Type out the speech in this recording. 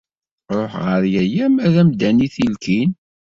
Ṛuḥ ɣer yaya-m ad m-d-ani tilkin.